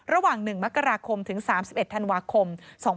ระหว่าง๑มกราคมถึง๓๑ธันวาคม๒๕๖๒